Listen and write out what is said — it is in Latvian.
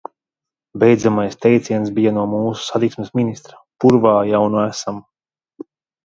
Beidzamais teiciens bija no mūsu satiksmes ministra: purvā jau nu esam!